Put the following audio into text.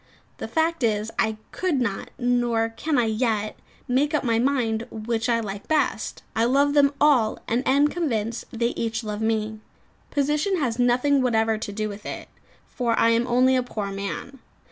The fact is, I could not nor can I yet make up my mind which I like best. I love them all, and am convinced they each love me. Position has nothing whatever to do with it, for I am only a poor man.